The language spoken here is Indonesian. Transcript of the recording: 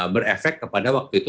berefek kepada waktu itu